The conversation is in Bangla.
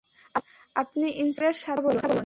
আপনি ইন্সপেক্টরের সাথে কথা বলুন।